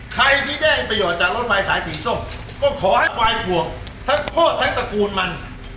ใครที่ได้ประโยชน์จากรถไฟสายสีส้มก็ขอให้ปลายห่วงทั้งโคตรทั้งตระกูลมัน